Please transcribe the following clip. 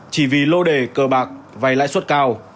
chỉ vì lô đề cờ bạc vay lãi suất cao